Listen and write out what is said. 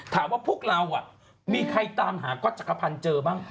พวกเรามีใครตามหากอตจักรพันธ์เจอบ้าง